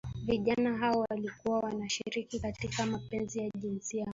vijana hao walikuwa wanashiriki katika mapenzi ya jinsia moja